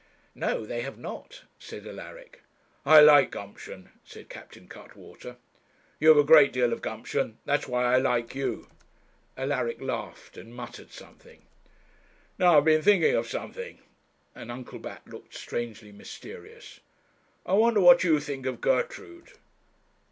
'No, they have not,' said Alaric. 'I like gumption,' said Captain Cuttwater. 'You've a great deal of gumption that's why I like you.' Alaric laughed, and muttered something. 'Now I have been thinking of something;' and Uncle Bat looked strangely mysterious 'I wonder what you think of Gertrude?'